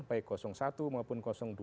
baik satu maupun dua